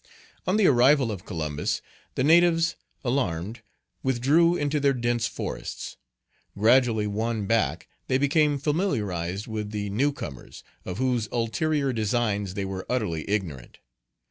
On the arrival of Columbus, the natives, alarmed, withdrew into their dense forests. Gradually won back, they became familiarized with the new comers, of whose ulterior designs they were utterly ignorant.